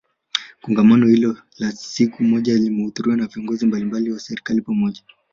Kongamano hilo la siku moja limehudhuriwa na viongozi mbalimbali wa serikali pamoja